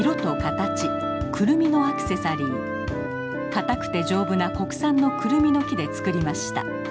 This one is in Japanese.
かたくて丈夫な国産のクルミの木で作りました。